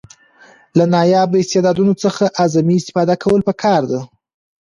له نایابه استعدادونو څخه اعظمي استفاده کول پکار دي.